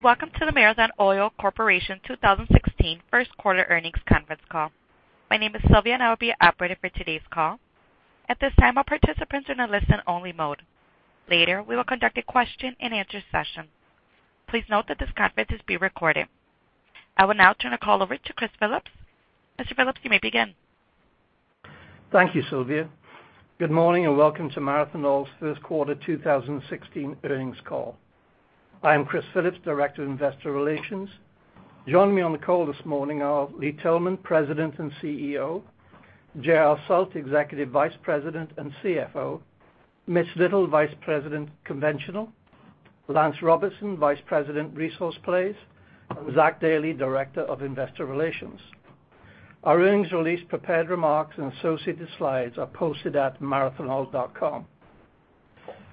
Welcome to the Marathon Oil Corporation 2016 first quarter earnings conference call. My name is Sylvia, I will be your operator for today's call. At this time, all participants are in a listen-only mode. Later, we will conduct a question and answer session. Please note that this conference is being recorded. I will now turn the call over to Chris Phillips. Mr. Phillips, you may begin. Thank you, Sylvia. Good morning, welcome to Marathon Oil's first quarter 2016 earnings call. I am Chris Phillips, Director of Investor Relations. Joining me on the call this morning are Lee Tillman, President and CEO; J.R. Sult, Executive Vice President and CFO; Mitch Little, Vice President, Conventional; Lance Robertson, Vice President, Resource Plays; and Zach Dailey, Director of Investor Relations. Our earnings release prepared remarks and associated slides are posted at marathonoil.com.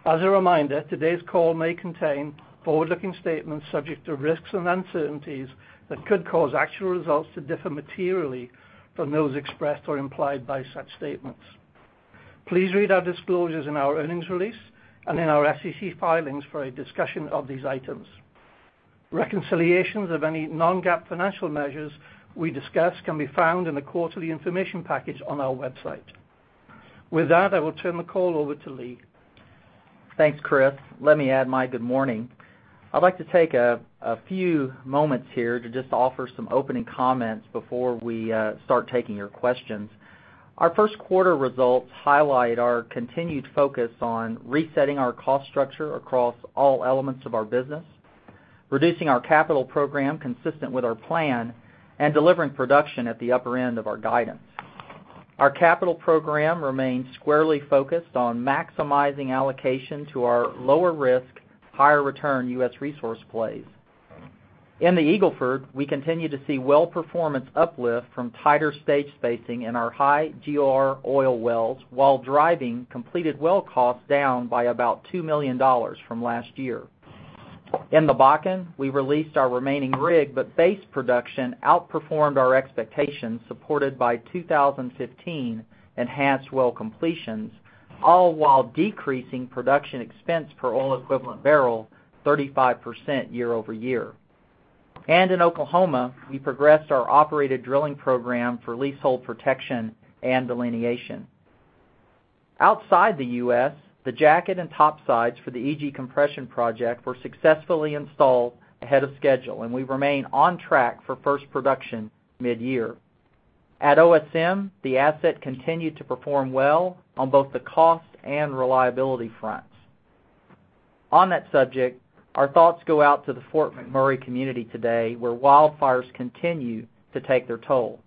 As a reminder, today's call may contain forward-looking statements subject to risks and uncertainties that could cause actual results to differ materially from those expressed or implied by such statements. Please read our disclosures in our earnings release and in our SEC filings for a discussion of these items. Reconciliations of any non-GAAP financial measures we discuss can be found in the quarterly information package on our website. With that, I will turn the call over to Lee. Thanks, Chris. Let me add my good morning. I'd like to take a few moments here to just offer some opening comments before we start taking your questions. Our first quarter results highlight our continued focus on resetting our cost structure across all elements of our business, reducing our capital program consistent with our plan, delivering production at the upper end of our guidance. Our capital program remains squarely focused on maximizing allocation to our lower risk, higher return U.S. resource plays. In the Eagle Ford, we continue to see well performance uplift from tighter stage spacing in our high GOR oil wells, while driving completed well costs down by about $2 million from last year. In the Bakken, we released our remaining rig, base production outperformed our expectations, supported by 2015 enhanced well completions, all while decreasing production expense per oil equivalent barrel 35% year-over-year. In Oklahoma, we progressed our operated drilling program for leasehold protection and delineation. Outside the U.S., the jacket and topsides for the EG compression project were successfully installed ahead of schedule, and we remain on track for first production mid-year. At OSM, the asset continued to perform well on both the cost and reliability fronts. On that subject, our thoughts go out to the Fort McMurray community today, where wildfires continue to take their toll.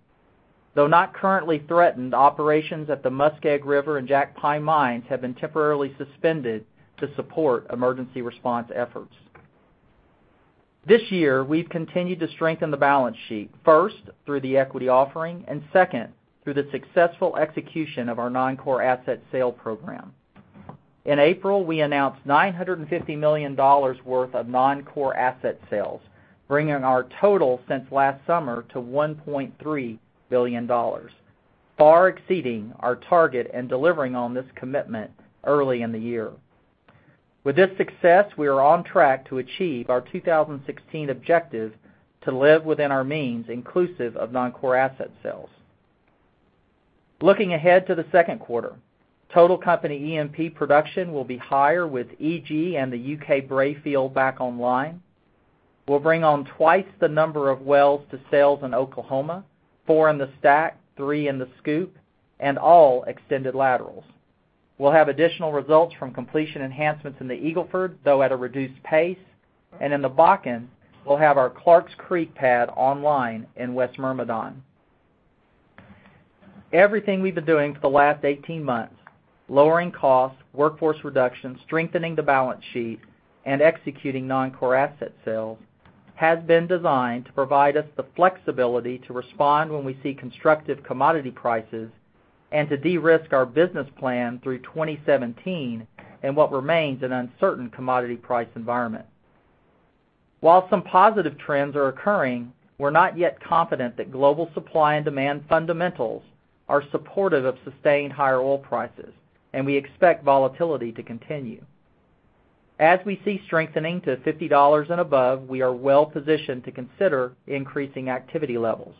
Though not currently threatened, operations at the Muskeg River and Jackpine mines have been temporarily suspended to support emergency response efforts. This year, we've continued to strengthen the balance sheet, first, through the equity offering and second, through the successful execution of our non-core asset sale program. In April, we announced $950 million worth of non-core asset sales, bringing our total since last summer to $1.3 billion, far exceeding our target and delivering on this commitment early in the year. With this success, we are on track to achieve our 2016 objective to live within our means, inclusive of non-core asset sales. Looking ahead to the second quarter, total company E&P production will be higher with EG and the U.K. Brae field back online. We'll bring on twice the number of wells to sales in Oklahoma, four in the STACK, three in the SCOOP, and all extended laterals. We'll have additional results from completion enhancements in the Eagle Ford, though at a reduced pace, and in the Bakken, we'll have our Clarks Creek pad online in West Myrmidon. Everything we've been doing for the last 18 months, lowering costs, workforce reduction, strengthening the balance sheet, and executing non-core asset sales, has been designed to provide us the flexibility to respond when we see constructive commodity prices and to de-risk our business plan through 2017 in what remains an uncertain commodity price environment. While some positive trends are occurring, we're not yet confident that global supply and demand fundamentals are supportive of sustained higher oil prices, and we expect volatility to continue. As we see strengthening to $50 and above, we are well positioned to consider increasing activity levels.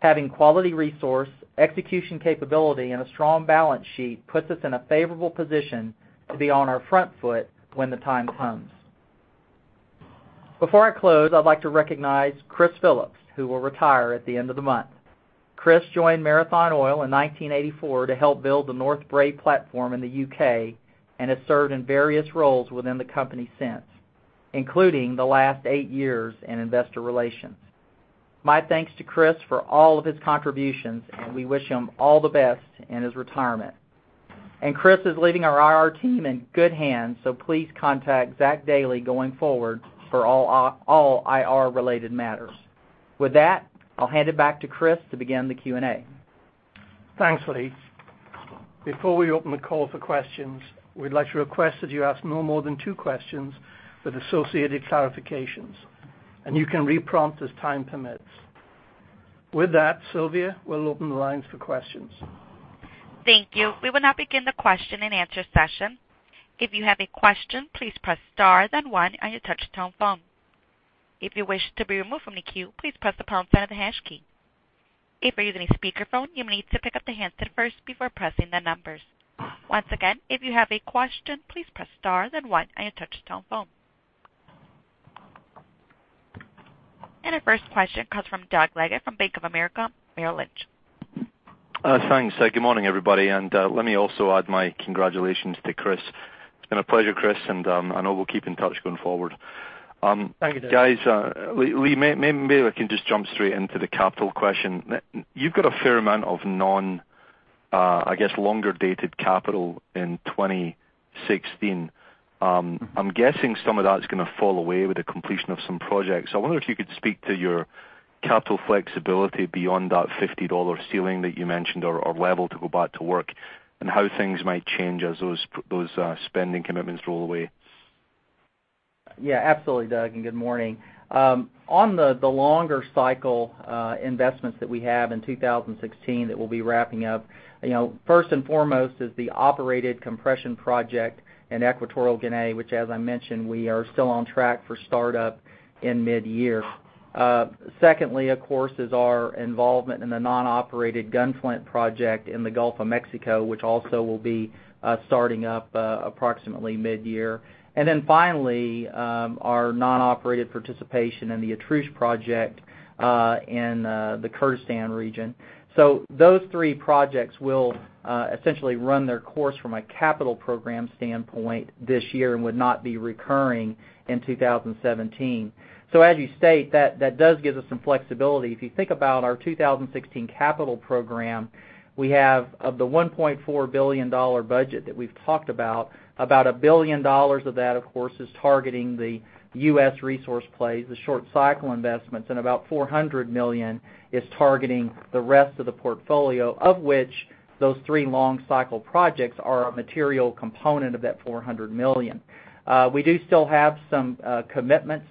Having quality resource, execution capability, and a strong balance sheet puts us in a favorable position to be on our front foot when the time comes. Before I close, I'd like to recognize Chris Phillips, who will retire at the end of the month. Chris joined Marathon Oil in 1984 to help build the North Brae platform in the U.K. and has served in various roles within the company since, including the last eight years in investor relations. My thanks to Chris for all of his contributions, and we wish him all the best in his retirement. Chris is leaving our IR team in good hands, so please contact Zach Dailey going forward for all IR-related matters. With that, I'll hand it back to Chris to begin the Q&A. Thanks, Lee. Before we open the call for questions, we'd like to request that you ask no more than two questions with associated clarifications, you can re-prompt as time permits. With that, Sylvia, we'll open the lines for questions. Thank you. We will now begin the question and answer session. If you have a question, please press star then one on your touch-tone phone. If you wish to be removed from the queue, please press the pound sign or the hash key. If you're using a speakerphone, you will need to pick up the handset first before pressing the numbers. Once again, if you have a question, please press star then one on your touch-tone phone. Our first question comes from Doug Leggate from Bank of America Merrill Lynch. Thanks. Good morning, everybody. Let me also add my congratulations to Chris. It's been a pleasure, Chris, I know we'll keep in touch going forward. Thank you, Doug. Guys, Lee, maybe I can just jump straight into the capital question. You've got a fair amount of non, I guess, longer dated capital in 2016. I'm guessing some of that's going to fall away with the completion of some projects. I wonder if you could speak to your capital flexibility beyond that $50 ceiling that you mentioned, or level to go back to work, and how things might change as those spending commitments roll away. Yeah, absolutely, Doug, good morning. On the longer cycle investments that we have in 2016 that we'll be wrapping up, first and foremost is the operated compression project in Equatorial Guinea, which as I mentioned, we are still on track for startup in mid-year. Secondly, of course, is our involvement in the non-operated Gunflint project in the Gulf of Mexico, which also will be starting up approximately mid-year. Finally, our non-operated participation in the Atrush project in the Kurdistan region. Those three projects will essentially run their course from a capital program standpoint this year and would not be recurring in 2017. As you state, that does give us some flexibility. If you think about our 2016 capital program, we have, of the $1.4 billion budget that we've talked about $1 billion of that, of course, is targeting the U.S. resource plays, the short cycle investments, and about $400 million is targeting the rest of the portfolio, of which those three long cycle projects are a material component of that $400 million. We do still have some commitments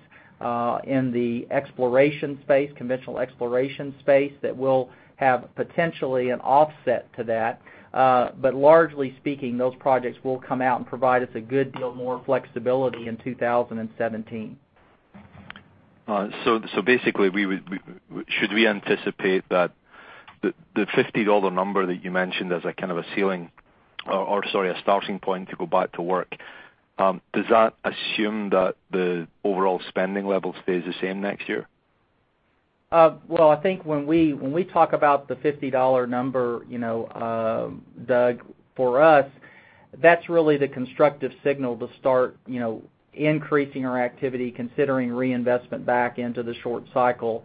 in the exploration space, conventional exploration space, that will have potentially an offset to that. Largely speaking, those projects will come out and provide us a good deal more flexibility in 2017. Should we anticipate that the $50 number that you mentioned as a kind of a ceiling or, sorry, a starting point to go back to work, does that assume that the overall spending level stays the same next year? Well, I think when we talk about the $50 number, Doug, for us, that's really the constructive signal to start increasing our activity, considering reinvestment back into the short cycle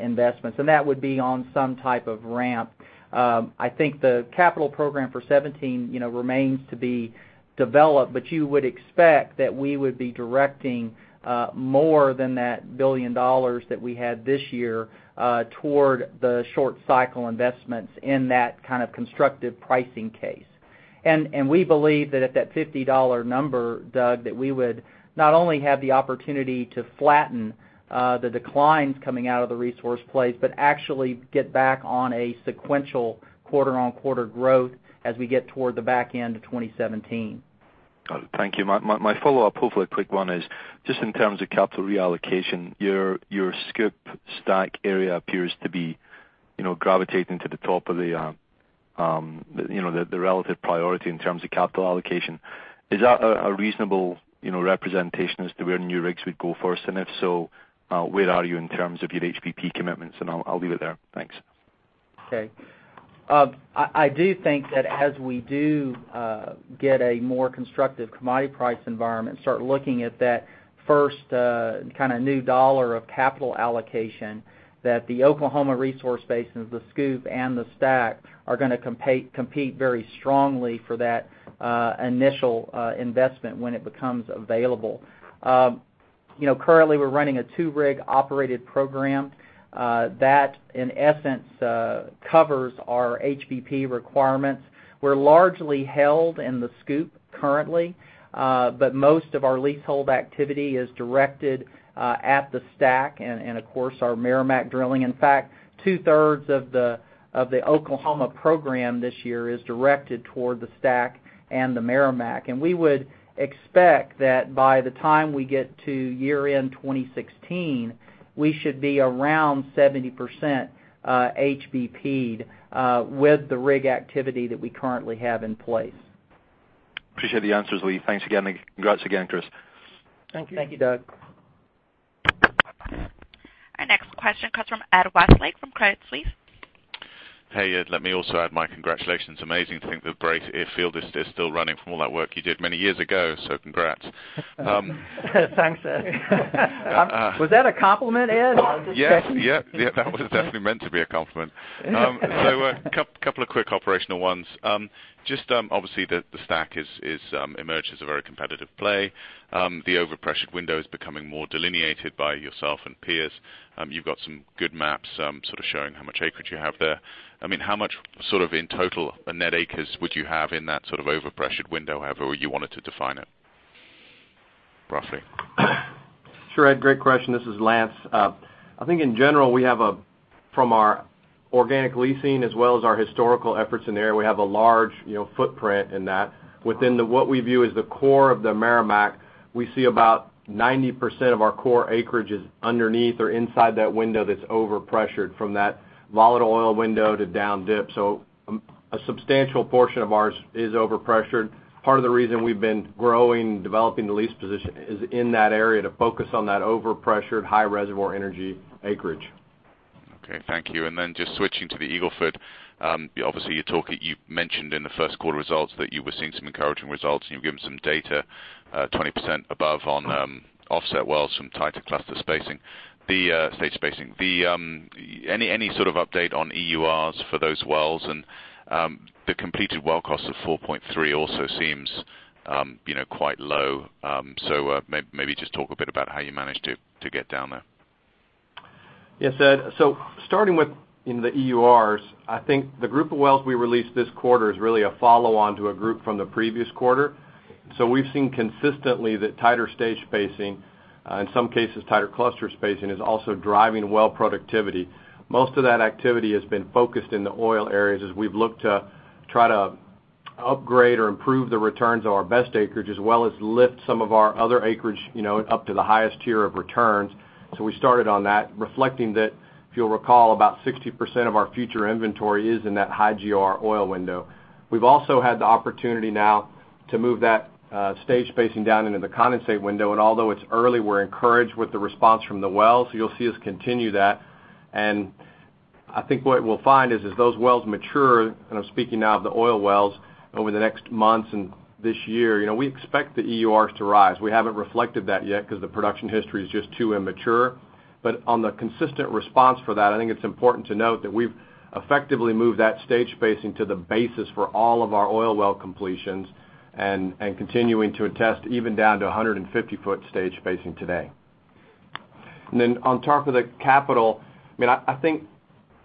investments. That would be on some type of ramp. I think the capital program for 2017 remains to be developed, but you would expect that we would be directing more than that $1 billion that we had this year toward the short cycle investments in that kind of constructive pricing case. We believe that at that $50 number, Doug, that we would not only have the opportunity to flatten the declines coming out of the resource plays, but actually get back on a sequential quarter-on-quarter growth as we get toward the back end of 2017. Thank you. My follow-up, hopefully a quick one, is just in terms of capital reallocation, your SCOOP/STACK area appears to be gravitating to the top of the relative priority in terms of capital allocation. Is that a reasonable representation as to where new rigs would go first? If so, where are you in terms of your HBP commitments? I'll leave it there. Thanks. Okay. I do think that as we do get a more constructive commodity price environment, start looking at that first kind of new dollar of capital allocation, that the Oklahoma resource basins, the SCOOP and the STACK, are going to compete very strongly for that initial investment when it becomes available. Currently, we're running a two-rig operated program. That in essence covers our HBP requirements. We're largely held in the SCOOP currently, but most of our leasehold activity is directed at the STACK and of course, our Meramec drilling. In fact, two-thirds of the Oklahoma program this year is directed toward the STACK and the Meramec. We would expect that by the time we get to year-end 2016, we should be around 70% HBP'd with the rig activity that we currently have in place. Appreciate the answers, Lee. Thanks again. Congrats again, Chris. Thank you. Thank you, Doug. Our next question comes from Ed Westlake from Credit Suisse. Hey, Ed, let me also add my congratulations. Amazing to think the Brae oil field is still running from all that work you did many years ago, so congrats. Thanks, Ed. Was that a compliment, Ed? I'm just checking. Yes. That was definitely meant to be a compliment. A couple of quick operational ones. Just obviously the STACK has emerged as a very competitive play. The overpressured window is becoming more delineated by yourself and peers. You've got some good maps sort of showing how much acreage you have there. How much sort of in total net acres would you have in that sort of overpressured window, however you wanted to define it? Sure, Ed. Great question. This is Lance. I think in general, from our organic leasing as well as our historical efforts in the area, we have a large footprint in that. Within what we view as the core of the Meramec, we see about 90% of our core acreage is underneath or inside that window that's over-pressured from that volatile oil window to down dip. A substantial portion of ours is over-pressured. Part of the reason we've been growing and developing the lease position is in that area to focus on that over-pressured high reservoir energy acreage. Okay. Thank you. Just switching to the Eagle Ford. Obviously, you mentioned in the first quarter results that you were seeing some encouraging results, and you've given some data, 20% above on offset wells from tighter cluster stage spacing. Any sort of update on EURs for those wells? The completed well cost of $4.3 also seems quite low. Maybe just talk a bit about how you managed to get down there. Ed. Starting with the EURs, I think the group of wells we released this quarter is really a follow-on to a group from the previous quarter. We've seen consistently that tighter stage spacing, in some cases tighter cluster spacing, is also driving well productivity. Most of that activity has been focused in the oil areas as we've looked to try to upgrade or improve the returns on our best acreage, as well as lift some of our other acreage up to the highest tier of returns. We started on that, reflecting that, if you'll recall, about 60% of our future inventory is in that high GOR oil window. We've also had the opportunity now to move that stage spacing down into the condensate window, although it's early, we're encouraged with the response from the wells. You'll see us continue that. I think what we'll find is as those wells mature, and I'm speaking now of the oil wells, over the next months and this year, we expect the EURs to rise. We haven't reflected that yet because the production history is just too immature. On the consistent response for that, I think it's important to note that we've effectively moved that stage spacing to the basis for all of our oil well completions and continuing to attest even down to 150-foot stage spacing today. On top of the capital, I think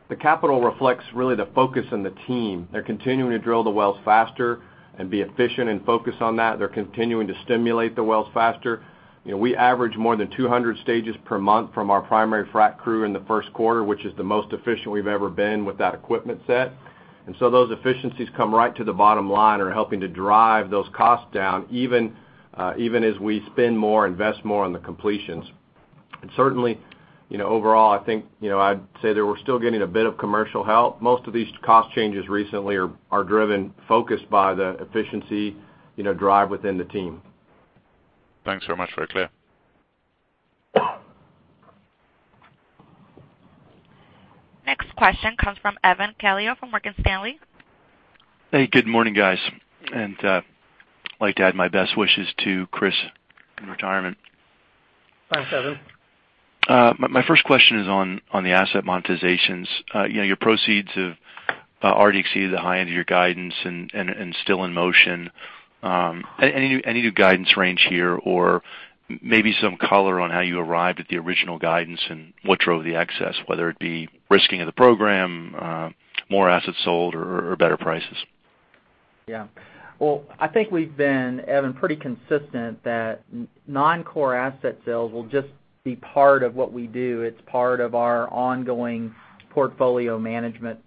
the capital reflects really the focus on the team. They're continuing to drill the wells faster and be efficient and focused on that. They're continuing to stimulate the wells faster. We averaged more than 200 stages per month from our primary frack crew in the first quarter, which is the most efficient we've ever been with that equipment set. Those efficiencies come right to the bottom line are helping to drive those costs down, even as we spend more, invest more on the completions. Certainly, overall, I think I'd say that we're still getting a bit of commercial help. Most of these cost changes recently are driven focused by the efficiency drive within the team. Thanks so much. Very clear. Next question comes from Evan Calio from Morgan Stanley. Hey, good morning, guys. I'd like to add my best wishes to Chris in retirement. Thanks, Evan. My first question is on the asset monetizations. Your proceeds have already exceeded the high end of your guidance and still in motion. Any new guidance range here? Maybe some color on how you arrived at the original guidance and what drove the excess, whether it be risking of the program, more assets sold, or better prices? Well, I think we've been, Evan, pretty consistent that non-core asset sales will just be part of what we do. It's part of our ongoing portfolio management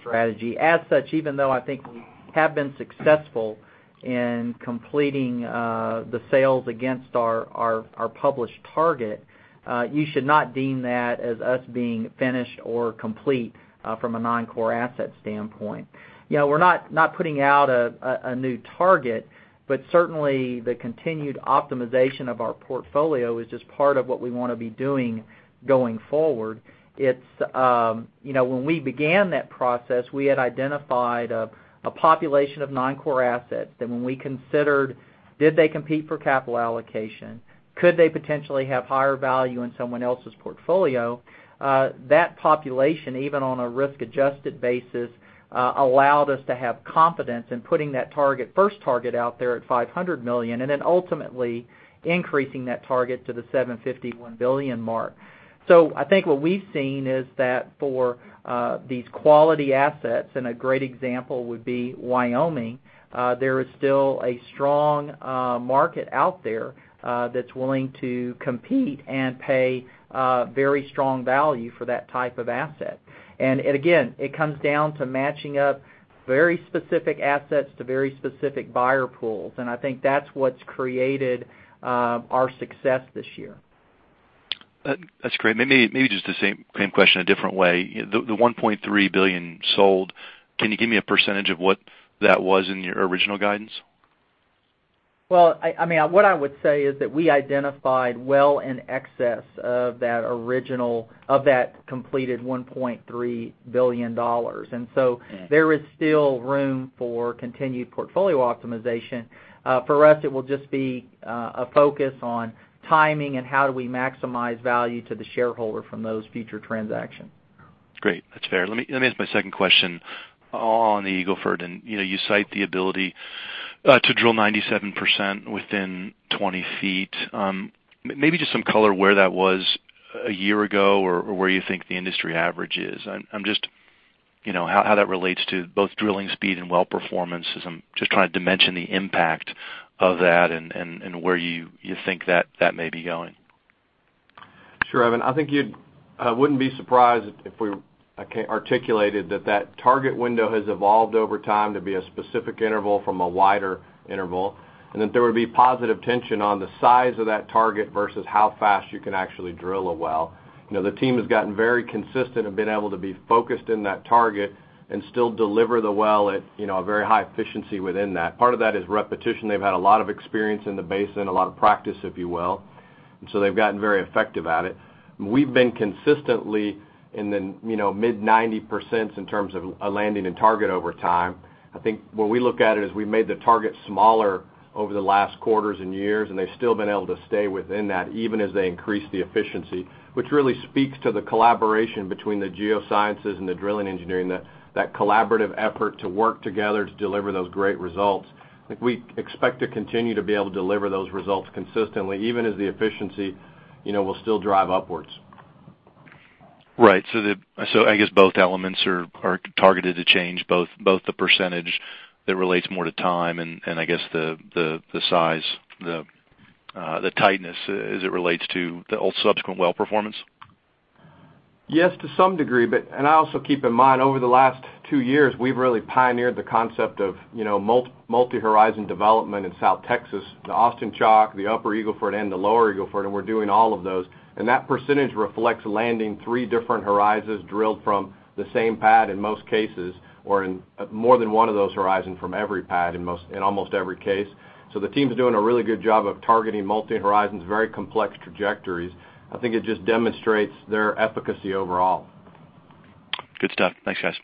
strategy. As such, even though I think we have been successful in completing the sales against our published target, you should not deem that as us being finished or complete from a non-core asset standpoint. We're not putting out a new target, but certainly the continued optimization of our portfolio is just part of what we want to be doing going forward. When we began that process, we had identified a population of non-core assets that when we considered, did they compete for capital allocation? Could they potentially have higher value in someone else's portfolio? That population, even on a risk-adjusted basis, allowed us to have confidence in putting that first target out there at $500 million, then ultimately increasing that target to the $750 million to $1 billion mark. I think what we've seen is that for these quality assets, and a great example would be Wyoming, there is still a strong market out there that's willing to compete and pay very strong value for that type of asset. Again, it comes down to matching up very specific assets to very specific buyer pools, and I think that's what's created our success this year. That's great. Maybe just the same question a different way. The $1.3 billion sold, can you give me a percentage of what that was in your original guidance? Well, what I would say is that we identified well in excess of that completed $1.3 billion. There is still room for continued portfolio optimization. For us, it will just be a focus on timing and how do we maximize value to the shareholder from those future transactions. Great. That's fair. Let me ask my second question on the Eagle Ford. You cite the ability to drill 97% within 20 feet. Maybe just some color where that was a year ago or where you think the industry average is. How that relates to both drilling speed and well performance, I'm just trying to dimension the impact of that and where you think that may be going. Sure, Evan. I think you wouldn't be surprised if we articulated that target window has evolved over time to be a specific interval from a wider interval, and that there would be positive tension on the size of that target versus how fast you can actually drill a well. The team has gotten very consistent and been able to be focused on that target and still deliver the well at a very high efficiency within that. Part of that is repetition. They've had a lot of experience in the basin, a lot of practice, if you will, and so they've gotten very effective at it. We've been consistently in the mid-90% in terms of landing in target over time. I think what we look at it is we made the target smaller over the last quarters and years, and they've still been able to stay within that, even as they increase the efficiency, which really speaks to the collaboration between the geosciences and the drilling engineering, that collaborative effort to work together to deliver those great results. I think we expect to continue to be able to deliver those results consistently, even as the efficiency will still drive upwards. Right. I guess both elements are targeted to change both the percentage that relates more to time and I guess the size, the tightness as it relates to the whole subsequent well performance? Yes, to some degree. I also keep in mind, over the last 2 years, we've really pioneered the concept of multi-horizon development in South Texas, the Austin Chalk, the Upper Eagle Ford, and the Lower Eagle Ford, and we're doing all of those. That percentage reflects landing 3 different horizons drilled from the same pad in most cases, or in more than one of those horizons from every pad in almost every case. The team's doing a really good job of targeting multi-horizons, very complex trajectories. I think it just demonstrates their efficacy overall. Good stuff. Thanks, guys.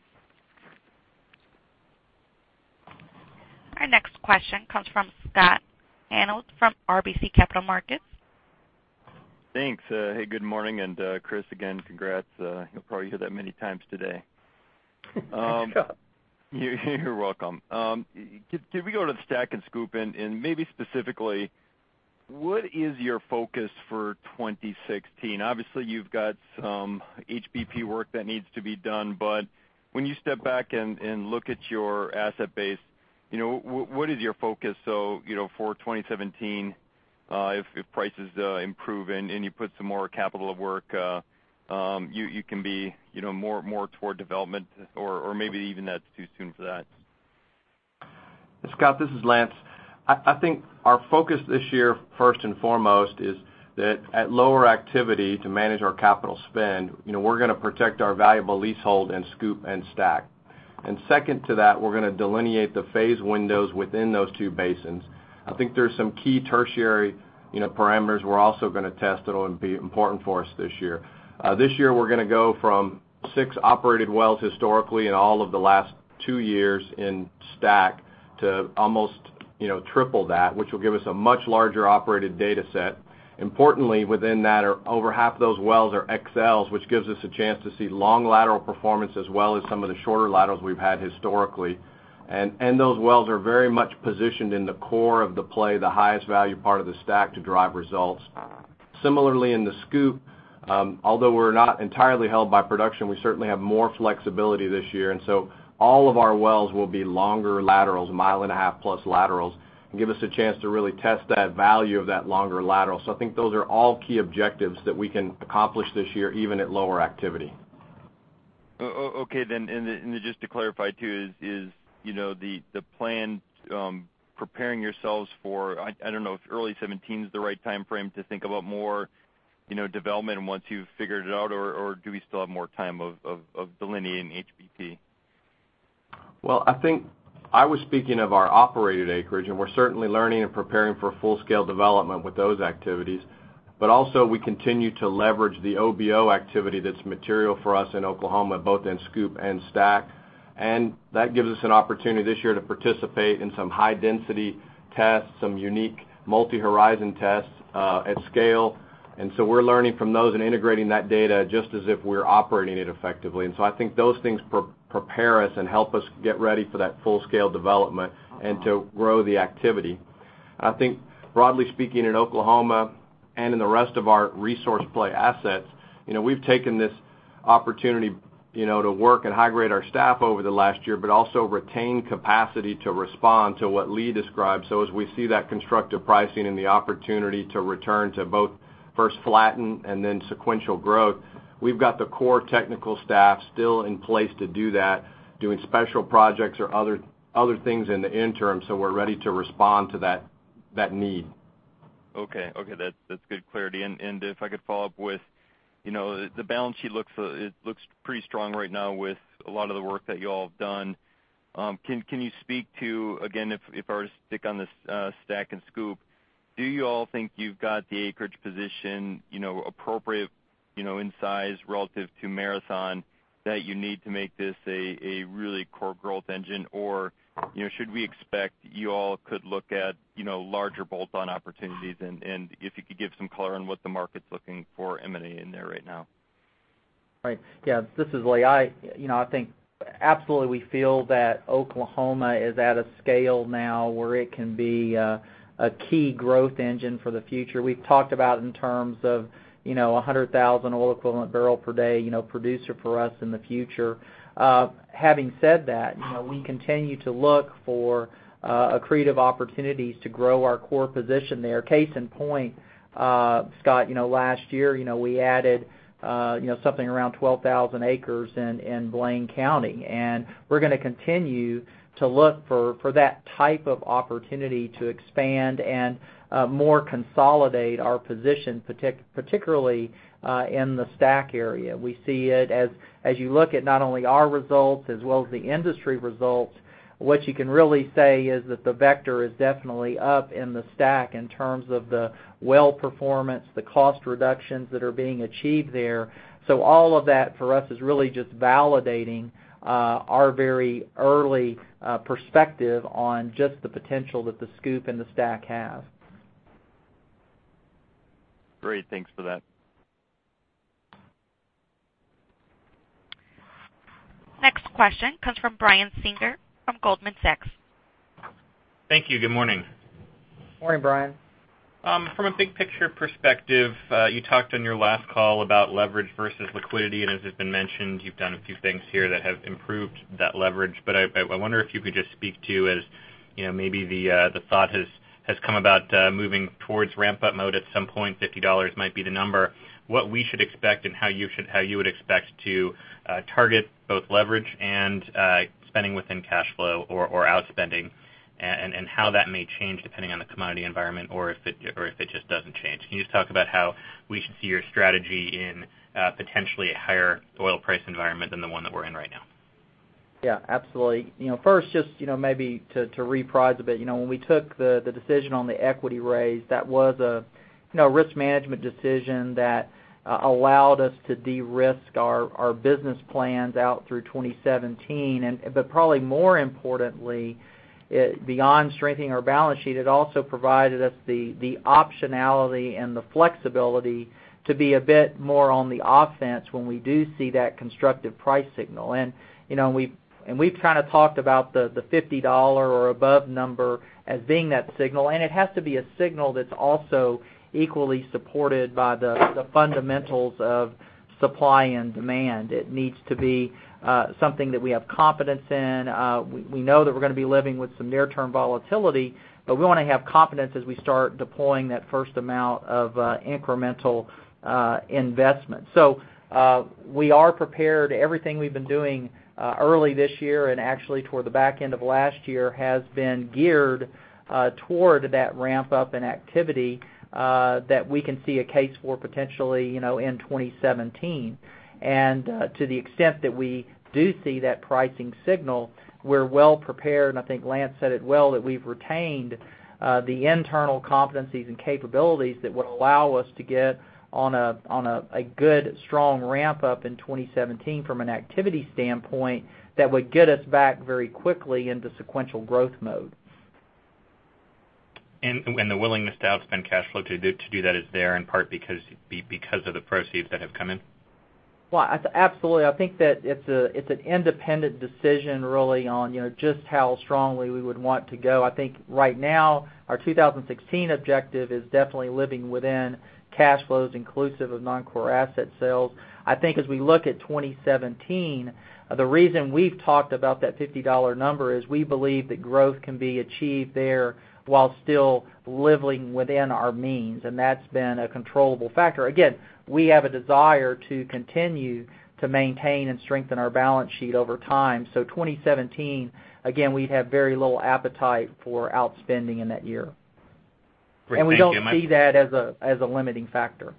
Our next question comes from Scott Hanold from RBC Capital Markets. Thanks. Hey, good morning. Chris, again, congrats. You'll probably hear that many times today. Thanks, Scott. You're welcome. Could we go to the STACK and SCOOP and maybe specifically, what is your focus for 2016? Obviously, you've got some HBP work that needs to be done. When you step back and look at your asset base, what is your focus for 2017 if prices improve and you put some more capital at work? You can be more toward development or maybe even that's too soon for that. Scott, this is Lance. I think our focus this year, first and foremost, is that at lower activity to manage our capital spend, we're going to protect our valuable leasehold in SCOOP and STACK. Second to that, we're going to delineate the phase windows within those two basins. I think there's some key tertiary parameters we're also going to test that'll be important for us this year. This year, we're going to go from six operated wells historically in all of the last two years in STACK to almost triple that, which will give us a much larger operated data set. Importantly, within that are over half those wells are XLs, which gives us a chance to see long lateral performance as well as some of the shorter laterals we've had historically. Those wells are very much positioned in the core of the play, the highest value part of the STACK to drive results. Similarly, in the SCOOP, although we're not entirely held by production, we certainly have more flexibility this year, and so all of our wells will be longer laterals, a mile-and-a-half plus laterals, and give us a chance to really test that value of that longer lateral. I think those are all key objectives that we can accomplish this year, even at lower activity. Okay. Just to clarify, too, is the plan preparing yourselves for, I don't know if early 2017 is the right time frame to think about more development once you've figured it out, or do we still have more time of delineating HBP? Well, I think I was speaking of our operated acreage, and we're certainly learning and preparing for full-scale development with those activities. Also we continue to leverage the OBO activity that's material for us in Oklahoma, both in SCOOP and STACK. That gives us an opportunity this year to participate in some high-density tests, some unique multi-horizon tests at scale. We're learning from those and integrating that data just as if we're operating it effectively. I think those things prepare us and help us get ready for that full-scale development and to grow the activity. I think broadly speaking, in Oklahoma and in the rest of our resource play assets, we've taken this opportunity to work and high-grade our staff over the last year but also retain capacity to respond to what Lee described. As we see that constructive pricing and the opportunity to return to both first flatten and then sequential growth, we've got the core technical staff still in place to do that, doing special projects or other things in the interim, so we're ready to respond to that need. Okay. That's good clarity. If I could follow up with the balance sheet, it looks pretty strong right now with a lot of the work that you all have done. Can you speak to, again, if I were to stick on the STACK and SCOOP, do you all think you've got the acreage position appropriate in size relative to Marathon that you need to make this a really core growth engine? Should we expect you all could look at larger bolt-on opportunities? If you could give some color on what the market's looking for M&A in there right now? Right. Yeah. This is Lee. I think absolutely we feel that Oklahoma is at a scale now where it can be a key growth engine for the future. We've talked about in terms of 100,000 oil equivalent barrel per day producer for us in the future. Having said that, we continue to look for accretive opportunities to grow our core position there. Case in point, Scott, last year we added something around 12,000 acres in Blaine County, and we're going to continue to look for that type of opportunity to expand and more consolidate our position, particularly in the STACK area. We see it as you look at not only our results as well as the industry results, what you can really say is that the vector is definitely up in the STACK in terms of the well performance, the cost reductions that are being achieved there. All of that for us is really just validating our very early perspective on just the potential that the SCOOP and the STACK have. Great. Thanks for that. Next question comes from Brian Singer from Goldman Sachs. Thank you. Good morning. Morning, Brian. I wonder if you could just speak to, as maybe the thought has come about moving towards ramp-up mode at some point, $50 might be the number, what we should expect and how you would expect to target both leverage and spending within cash flow or outspending, and how that may change depending on the commodity environment or if it just doesn't change. Can you just talk about how we should see your strategy in potentially a higher oil price environment than the one that we're in right now? Yeah, absolutely. First, just maybe to reprise a bit. When we took the decision on the equity raise, that was a risk management decision that allowed us to de-risk our business plans out through 2017. Probably more importantly, beyond strengthening our balance sheet, it also provided us the optionality and the flexibility to be a bit more on the offense when we do see that constructive price signal. We've talked about the $50 or above number as being that signal, and it has to be a signal that's also equally supported by the fundamentals of supply and demand. It needs to be something that we have confidence in. We know that we're going to be living with some near-term volatility, but we want to have confidence as we start deploying that first amount of incremental investment. We are prepared. Everything we've been doing early this year and actually toward the back end of last year has been geared toward that ramp-up in activity that we can see a case for potentially in 2017. To the extent that we do see that pricing signal, we're well prepared, and I think Lance said it well, that we've retained the internal competencies and capabilities that would allow us to get on a good, strong ramp-up in 2017 from an activity standpoint that would get us back very quickly into sequential growth mode. The willingness to outspend cash flow to do that is there in part because of the proceeds that have come in? Well, absolutely. I think that it's an independent decision really on just how strongly we would want to go. I think right now our 2016 objective is definitely living within cash flows inclusive of non-core asset sales. I think as we look at 2017, the reason we've talked about that $50 number is we believe that growth can be achieved there while still living within our means, and that's been a controllable factor. Again, we have a desire to continue to maintain and strengthen our balance sheet over time. 2017, again, we'd have very little appetite for outspending in that year. Great. Thank you. We don't see that as a limiting factor.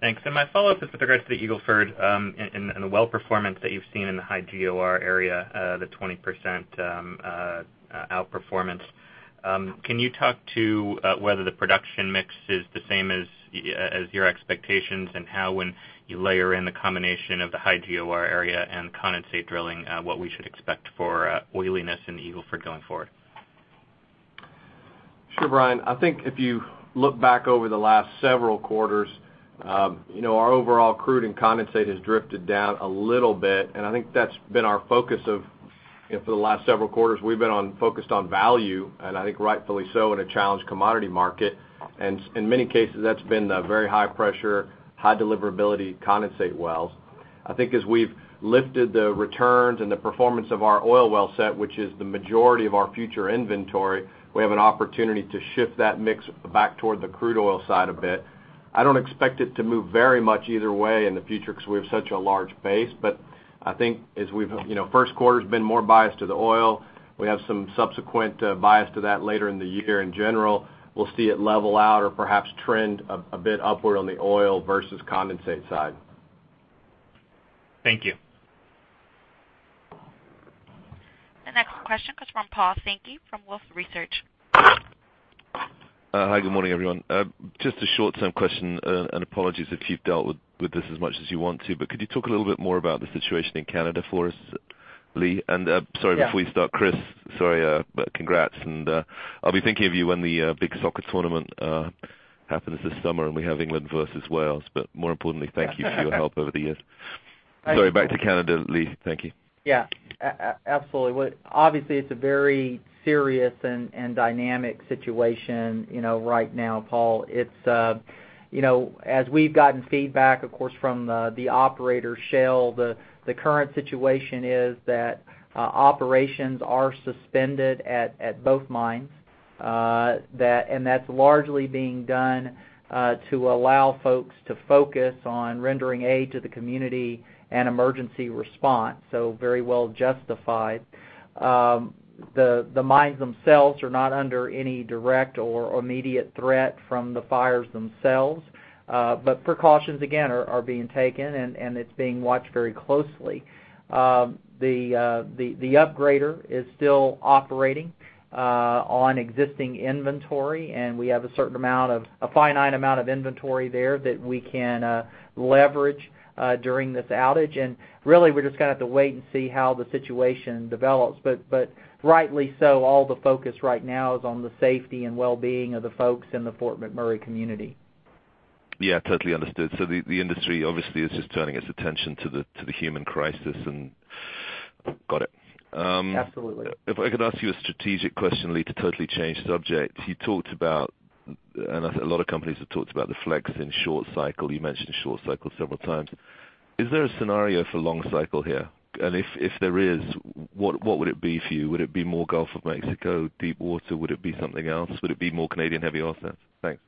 Thanks. My follow-up is with regards to the Eagle Ford and the well performance that you've seen in the high GOR area, the 20% outperformance. Can you talk to whether the production mix is the same as your expectations and how when you layer in the combination of the high GOR area and condensate drilling what we should expect for oiliness in Eagle Ford going forward? Sure, Brian. I think if you look back over the last several quarters, our overall crude and condensate has drifted down a little bit, I think that's been our focus for the last several quarters. We've been focused on value, I think rightfully so in a challenged commodity market. In many cases, that's been the very high pressure, high deliverability condensate wells. I think as we've lifted the returns and the performance of our oil well set, which is the majority of our future inventory, we have an opportunity to shift that mix back toward the crude oil side a bit. I don't expect it to move very much either way in the future because we have such a large base. I think first quarter's been more biased to the oil. We have some subsequent bias to that later in the year. In general, we'll see it level out or perhaps trend a bit upward on the oil versus condensate side. Thank you. The next question comes from Paul Sankey from Wolfe Research. Hi. Good morning, everyone. Just a short-term question, and apologies if you've dealt with this as much as you want to, but could you talk a little bit more about the situation in Canada for us, Lee? Sorry, before you start, Chris, sorry, but congrats, and I'll be thinking of you when the big soccer tournament happens this summer, and we have England versus Wales. More importantly, thank you for your help over the years. Sorry, back to Canada, Lee. Thank you. Yeah. Absolutely. Obviously, it's a very serious and dynamic situation right now, Paul. As we've gotten feedback, of course, from the operator, Shell, the current situation is that operations are suspended at both mines, and that's largely being done to allow folks to focus on rendering aid to the community and emergency response, so very well justified. The mines themselves are not under any direct or immediate threat from the fires themselves. Precautions, again, are being taken, and it's being watched very closely. The upgrader is still operating on existing inventory, and we have a finite amount of inventory there that we can leverage during this outage. Really, we're just going to have to wait and see how the situation develops. Rightly so, all the focus right now is on the safety and wellbeing of the folks in the Fort McMurray community. Yeah, totally understood. The industry, obviously, is just turning its attention to the human crisis and got it. Absolutely. If I could ask you a strategic question, Lee, to totally change subject. You talked about, and a lot of companies have talked about the flex in short cycle. You mentioned short cycle several times. Is there a scenario for long cycle here? If there is, what would it be for you? Would it be more Gulf of Mexico, deep water? Would it be something else? Would it be more Canadian heavy assets? Thanks.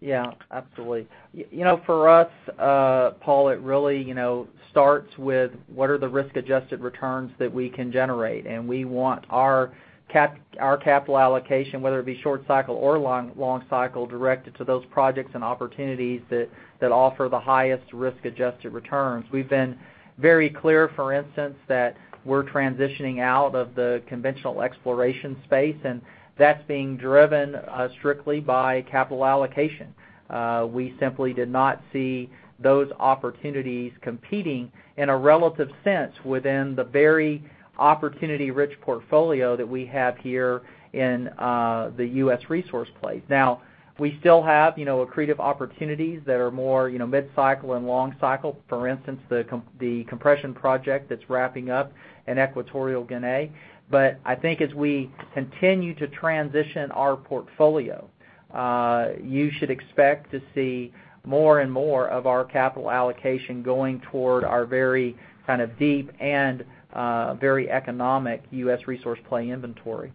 Yeah, absolutely. For us, Paul, it really starts with what are the risk-adjusted returns that we can generate. We want our capital allocation, whether it be short cycle or long cycle, directed to those projects and opportunities that offer the highest risk-adjusted returns. We've been very clear, for instance, that we're transitioning out of the conventional exploration space, and that's being driven strictly by capital allocation. We simply did not see those opportunities competing in a relative sense within the very opportunity-rich portfolio that we have here in the U.S. resource play. Now, we still have accretive opportunities that are more mid-cycle and long cycle. For instance, the compression project that's wrapping up in Equatorial Guinea. As we continue to transition our portfolio, you should expect to see more and more of our capital allocation going toward our very deep and very economic U.S. resource play inventory.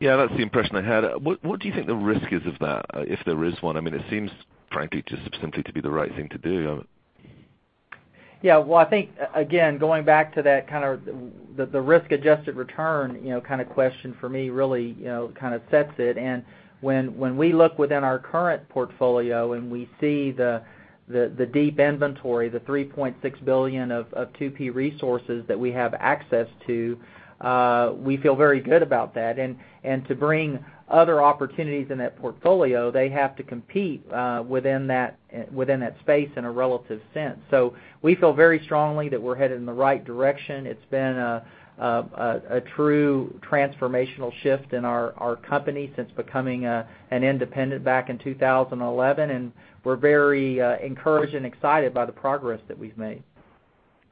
Yeah, that's the impression I had. What do you think the risk is of that if there is one? It seems, frankly, just simply to be the right thing to do. Yeah. Well, I think, again, going back to that risk-adjusted return question for me really sets it. When we look within our current portfolio and we see the deep inventory, the $3.6 billion of 2P resources that we have access to, we feel very good about that. To bring other opportunities in that portfolio, they have to compete within that space in a relative sense. We feel very strongly that we're headed in the right direction. It's been a true transformational shift in our company since becoming an independent back in 2011, and we're very encouraged and excited by the progress that we've made.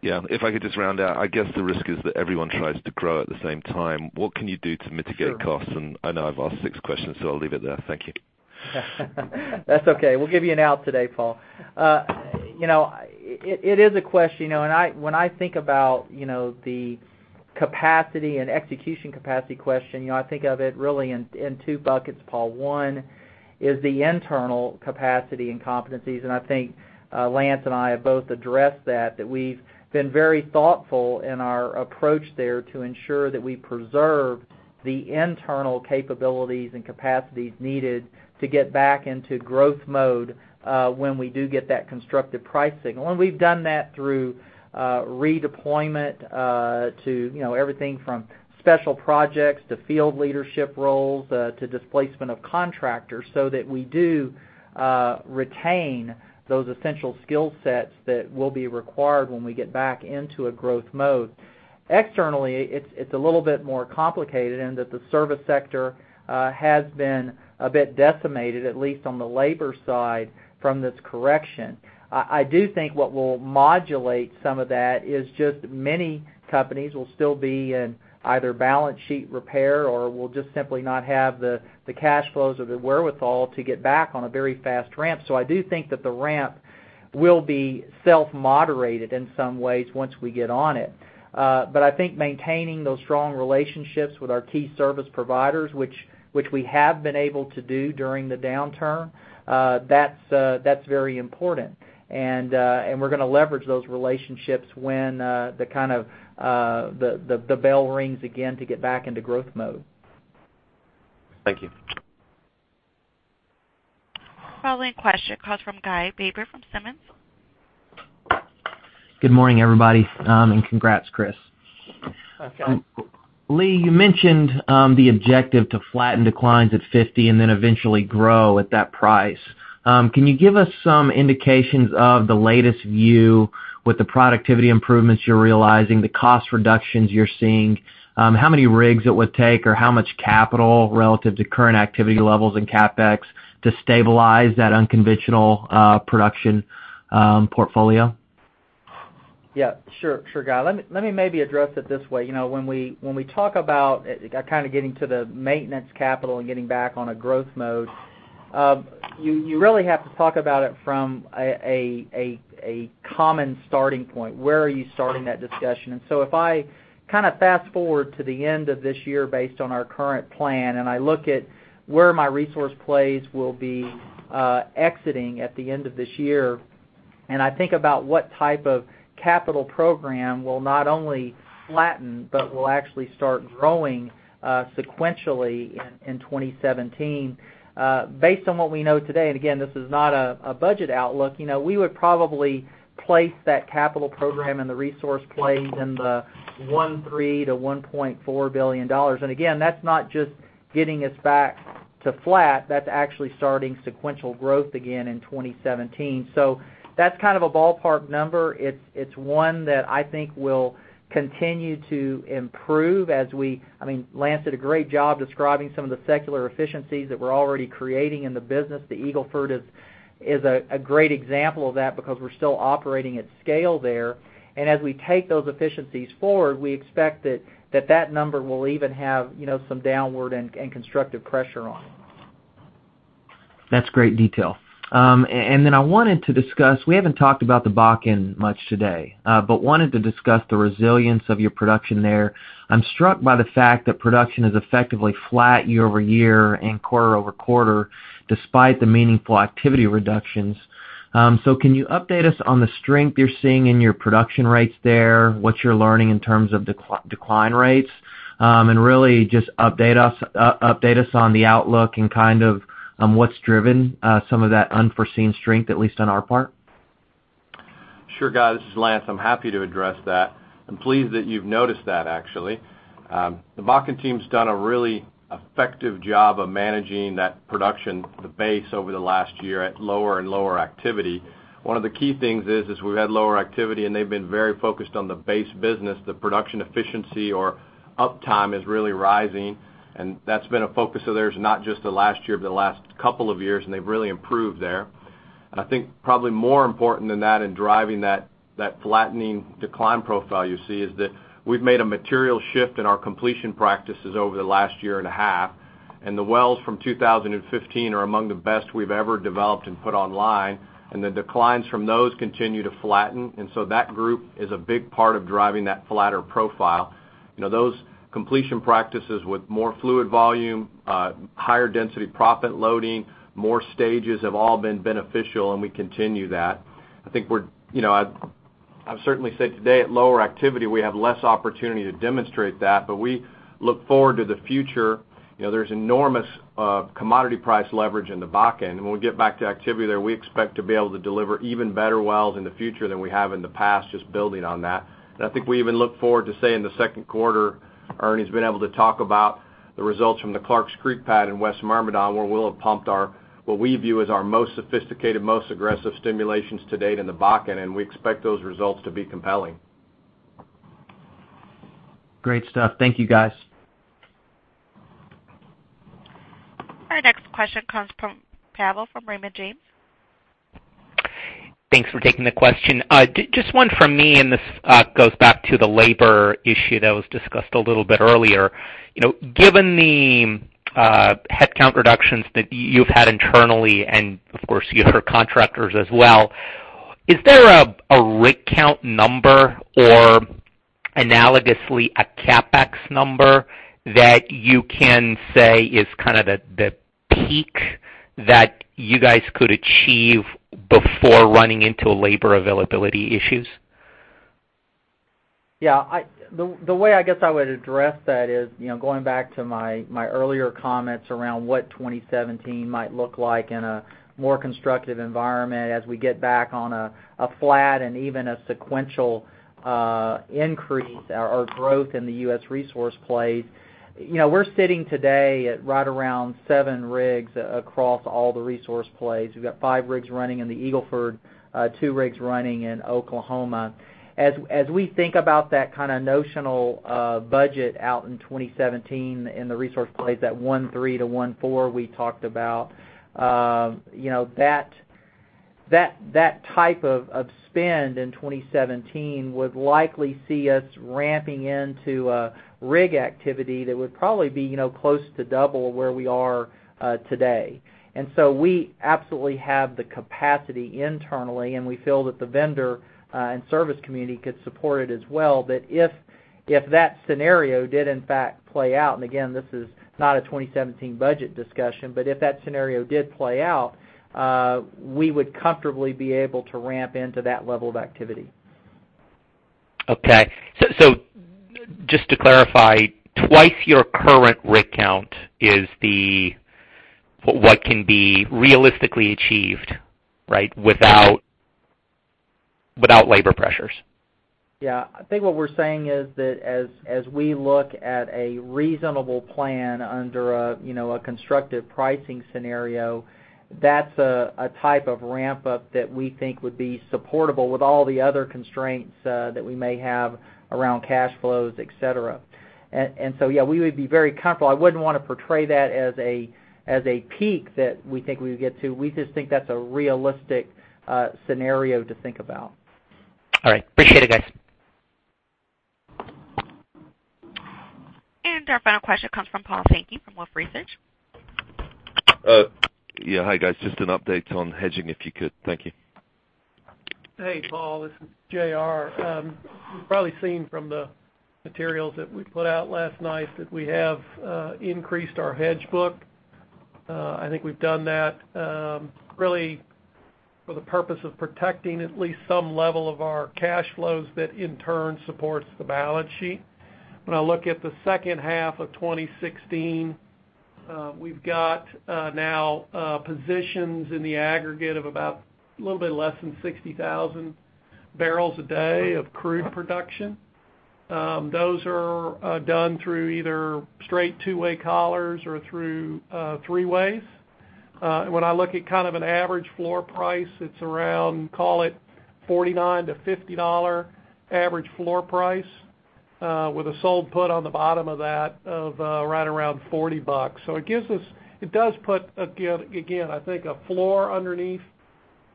Yeah. If I could just round out, I guess the risk is that everyone tries to grow at the same time. What can you do to mitigate costs? I know I've asked six questions, so I'll leave it there. Thank you. That's okay. We'll give you an out today, Paul. It is a question. When I think about the capacity and execution capacity question, I think of it really in two buckets, Paul. One is the internal capacity and competencies, and I think Lance and I have both addressed that we've been very thoughtful in our approach there to ensure that we preserve the internal capabilities and capacities needed to get back into growth mode when we do get that constructive price signal. We've done that through redeployment to everything from special projects to field leadership roles to displacement of contractors, so that we do retain those essential skill sets that will be required when we get back into a growth mode. Externally, it's a little bit more complicated in that the service sector has been a bit decimated, at least on the labor side, from this correction. I do think what will modulate some of that is just many companies will still be in either balance sheet repair or will just simply not have the cash flows or the wherewithal to get back on a very fast ramp. I do think that the ramp will be self-moderated in some ways once we get on it. I think maintaining those strong relationships with our key service providers, which we have been able to do during the downturn, that's very important. We're going to leverage those relationships when the bell rings again to get back into growth mode. Thank you. Following question, call from Guy Baber from Simmons. Good morning, everybody, and congrats, Chris. Okay. Lee, you mentioned the objective to flatten declines at $50 and then eventually grow at that price. Can you give us some indications of the latest view with the productivity improvements you're realizing, the cost reductions you're seeing? How many rigs it would take or how much capital relative to current activity levels in CapEx to stabilize that unconventional production portfolio? Yeah. Sure, Guy. Let me maybe address it this way. When we talk about kind of getting to the maintenance capital and getting back on a growth mode, you really have to talk about it from a common starting point. Where are you starting that discussion? If I kind of fast-forward to the end of this year based on our current plan, I look at where my resource plays will be exiting at the end of this year, and I think about what type of capital program will not only flatten but will actually start growing sequentially in 2017. Based on what we know today, and again, this is not a budget outlook, we would probably place that capital program and the resource plays in the $1.3 billion-$1.4 billion. Again, that's not just getting us back to flat, that's actually starting sequential growth again in 2017. That's kind of a ballpark number. It's one that I think will continue to improve as Lance did a great job describing some of the secular efficiencies that we're already creating in the business. The Eagle Ford is a great example of that because we're still operating at scale there. As we take those efficiencies forward, we expect that that number will even have some downward and constructive pressure on it. That's great detail. I wanted to discuss, we haven't talked about the Bakken much today, but wanted to discuss the resilience of your production there. I'm struck by the fact that production is effectively flat year-over-year and quarter-over-quarter, despite the meaningful activity reductions. Can you update us on the strength you're seeing in your production rates there, what you're learning in terms of decline rates? Really just update us on the outlook and kind of what's driven some of that unforeseen strength, at least on our part. Sure, Guy. This is Lance. I'm happy to address that. I'm pleased that you've noticed that, actually. The Bakken team's done a really effective job of managing that production, the base over the last year at lower and lower activity. One of the key things is, we've had lower activity, and they've been very focused on the base business. The production efficiency or uptime is really rising, and that's been a focus of theirs, not just the last year, but the last couple of years, and they've really improved there. I think probably more important than that in driving that flattening decline profile you see, is that we've made a material shift in our completion practices over the last year and a half, and the wells from 2015 are among the best we've ever developed and put online, and the declines from those continue to flatten. That group is a big part of driving that flatter profile. Those completion practices with more fluid volume, higher density proppant loading, more stages have all been beneficial, and we continue that. I'd certainly say today at lower activity, we have less opportunity to demonstrate that, but we look forward to the future. There's enormous commodity price leverage in the Bakken. When we get back to activity there, we expect to be able to deliver even better wells in the future than we have in the past, just building on that. I think we even look forward to say in the second quarter, Ernie's been able to talk about the results from the Clarks Creek pad in West Myrmidon, where we'll have pumped what we view as our most sophisticated, most aggressive stimulations to date in the Bakken, and we expect those results to be compelling. Great stuff. Thank you, guys. Our next question comes from Pavel from Raymond James. Thanks for taking the question. Just one from me, this goes back to the labor issue that was discussed a little bit earlier. Given the headcount reductions that you've had internally, and of course, your contractors as well, is there a rig count number, or analogously, a CapEx number that you can say is kind of the peak that you guys could achieve before running into labor availability issues? Yeah. The way I guess I would address that is, going back to my earlier comments around what 2017 might look like in a more constructive environment as we get back on a flat and even a sequential increase or growth in the U.S. resource plays. We're sitting today at right around seven rigs across all the resource plays. We've got five rigs running in the Eagle Ford, two rigs running in Oklahoma. As we think about that kind of notional budget out in 2017 in the resource plays, that $1.3-$1.4 we talked about. That type of spend in 2017 would likely see us ramping into a rig activity that would probably be close to double where we are today. We absolutely have the capacity internally, and we feel that the vendor and service community could support it as well. That if that scenario did in fact play out, and again, this is not a 2017 budget discussion, but if that scenario did play out, we would comfortably be able to ramp into that level of activity. Okay. Just to clarify, twice your current rig count is what can be realistically achieved, right? Without labor pressures. Yeah. I think what we're saying is that as we look at a reasonable plan under a constructive pricing scenario, that's a type of ramp-up that we think would be supportable with all the other constraints that we may have around cash flows, et cetera. Yeah, we would be very comfortable. I wouldn't want to portray that as a peak that we think we would get to. We just think that's a realistic scenario to think about. All right. Appreciate it, guys. Our final question comes from Paul Sankey from Wolfe Research. Yeah. Hi, guys. Just an update on hedging, if you could. Thank you. Hey, Paul. This is J.R. You've probably seen from the materials that we put out last night that we have increased our hedge book. I think we've done that really for the purpose of protecting at least some level of our cash flows that in turn supports the balance sheet. When I look at the second half of 2016, we've got now positions in the aggregate of about a little bit less than 60,000 barrels a day of crude production. Those are done through either straight two-way collars or through three-ways. When I look at kind of an average floor price, it's around, call it $49-$50 average floor price, with a sold put on the bottom of that of right around $40. It does put, again, I think, a floor underneath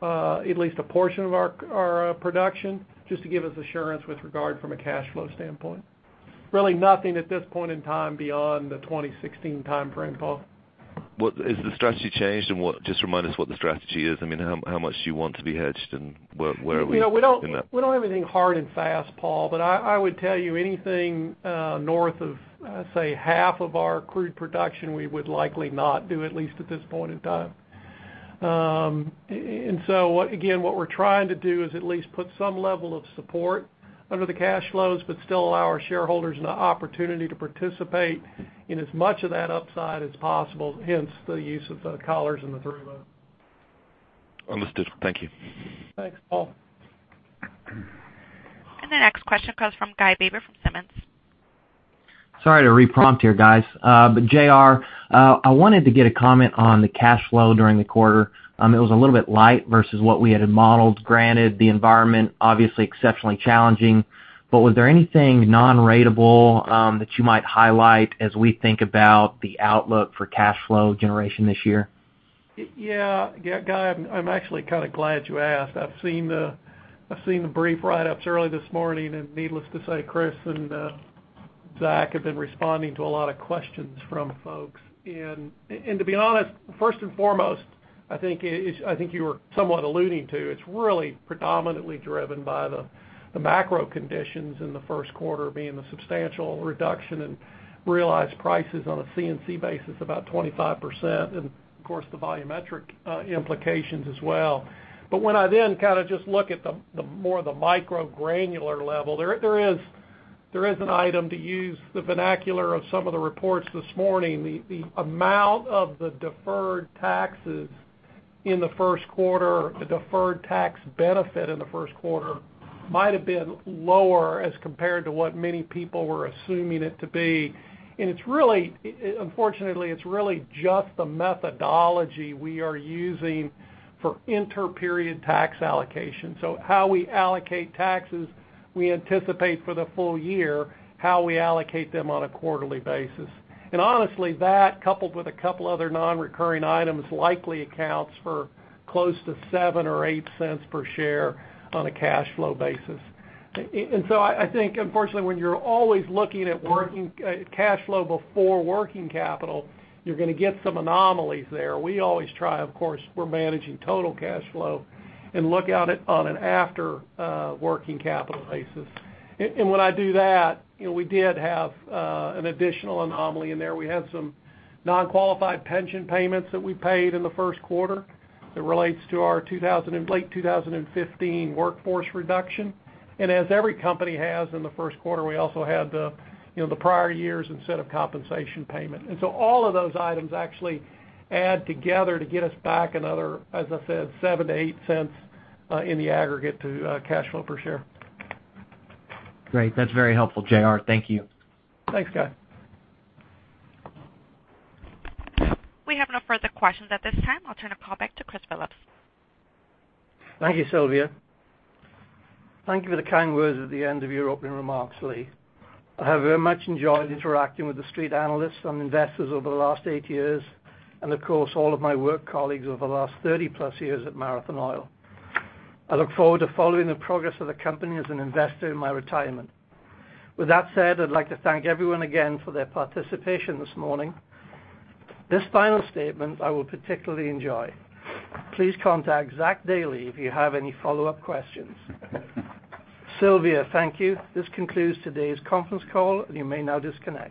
at least a portion of our production just to give us assurance with regard from a cash flow standpoint. Really nothing at this point in time beyond the 2016 timeframe, Paul. Has the strategy changed? Just remind us what the strategy is. How much do you want to be hedged, and where are we in that? We don't have anything hard and fast, Paul, but I would tell you anything north of, say, half of our crude production, we would likely not do, at least at this point in time. Again, what we're trying to do is at least put some level of support under the cash flows, but still allow our shareholders an opportunity to participate in as much of that upside as possible, hence the use of the collars and the three-ways. Understood. Thank you. Thanks, Paul. The next question comes from Guy Baber from Simmons. Sorry to re-prompt here, guys. J.R., I wanted to get a comment on the cash flow during the quarter. It was a little bit light versus what we had modeled, granted the environment obviously exceptionally challenging. Was there anything non-ratable that you might highlight as we think about the outlook for cash flow generation this year? Guy, I'm actually kind of glad you asked. I've seen the brief write-ups early this morning, needless to say, Chris and Zach Dailey have been responding to a lot of questions from folks. To be honest, first and foremost, I think you were somewhat alluding to, it's really predominantly driven by the macro conditions in the first quarter being the substantial reduction in realized prices on a C&C basis, about 25%, of course, the volumetric implications as well. When I just look at more the micro granular level, there is an item, to use the vernacular of some of the reports this morning, the amount of the deferred taxes in the first quarter, the deferred tax benefit in the first quarter might have been lower as compared to what many people were assuming it to be. Unfortunately, it's really just the methodology we are using for inter-period tax allocation. How we allocate taxes we anticipate for the full year, how we allocate them on a quarterly basis. Honestly, that coupled with a couple other non-recurring items, likely accounts for close to $0.07 or $0.08 per share on a cash flow basis. I think unfortunately, when you're always looking at cash flow before working capital, you're going to get some anomalies there. We always try, of course, we're managing total cash flow and look at it on an after working capital basis. When I do that, we did have an additional anomaly in there. We had some non-qualified pension payments that we paid in the first quarter that relates to our late 2015 workforce reduction. As every company has in the first quarter, we also had the prior year's incentive compensation payment. All of those items actually add together to get us back another, as I said, $0.07 to $0.08 in the aggregate to cash flow per share. Great. That's very helpful, J.R. Thank you. Thanks, Guy. We have no further questions at this time. I'll turn the call back to Chris Phillips. Thank you, Sylvia. Thank you for the kind words at the end of your opening remarks, Lee. I have very much enjoyed interacting with the street analysts and investors over the last eight years, and of course, all of my work colleagues over the last 30-plus years at Marathon Oil. I look forward to following the progress of the company as an investor in my retirement. With that said, I'd like to thank everyone again for their participation this morning. This final statement I will particularly enjoy. Please contact Zach Dailey if you have any follow-up questions. Sylvia, thank you. This concludes today's conference call. You may now disconnect.